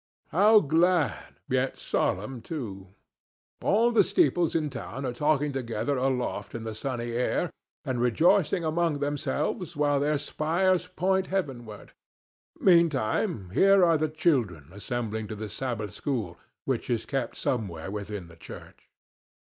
How glad, yet solemn too! All the steeples in town are talking together aloft in the sunny air and rejoicing among themselves while their spires point heavenward. Meantime, here are the children assembling to the Sabbath school, which is kept somewhere within the church.